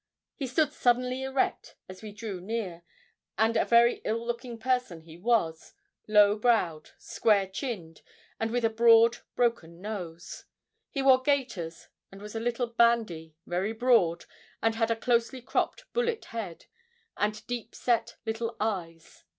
He stood suddenly erect as we drew near, and a very ill looking person he was, low browed, square chinned, and with a broad, broken nose. He wore gaiters, and was a little bandy, very broad, and had a closely cropped bullet head, and deep set little eyes.